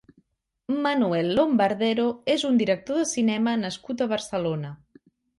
Manuel Lombardero és un director de cinema nascut a Barcelona.